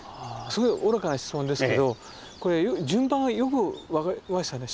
すごい愚かな質問ですけどこれ順番はよく分かりましたね。